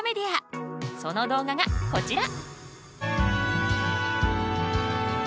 その動画がこちら。